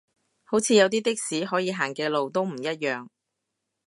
好似有啲的士可以行嘅路都唔一樣